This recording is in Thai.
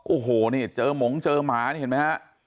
โอ้โหเจอหมงเจอหมาเห็นไหมฮะ